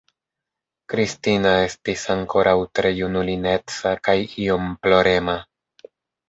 Kristina estis ankoraŭ tre junulineca kaj iom plorema.